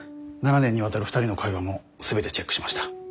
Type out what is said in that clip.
７年にわたる２人の会話も全てチェックしました。